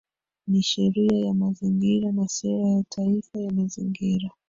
Ni sheria ya Mazingira na Sera ya Taifa ya Mazingira